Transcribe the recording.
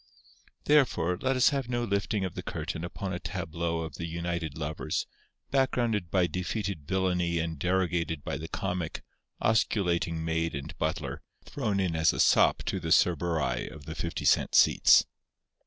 Therefore let us have no lifting of the curtain upon a tableau of the united lovers, backgrounded by defeated villainy and derogated by the comic, osculating maid and butler, thrown in as a sop to the Cerberi of the fifty cent seats.